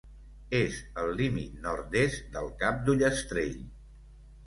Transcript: És el límit nord-est del Cap d'Ullastrell.